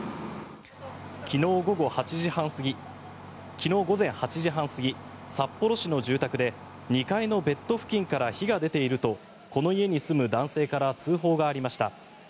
昨日午前８時半過ぎ札幌市の住宅で２階のベッド付近から火が出ているとこの家に住む男性から通報がありました。